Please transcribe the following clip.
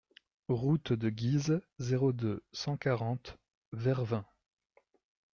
Route de Guise, zéro deux, cent quarante Vervins